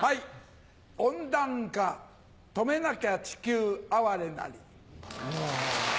温暖化止めなきゃ地球哀れなり。